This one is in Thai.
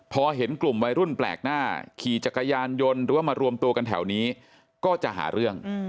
พอเห็นกลุ่มวัยรุ่นแปลกหน้าขี่จักรยานยนต์หรือว่ามารวมตัวกันแถวนี้ก็จะหาเรื่อง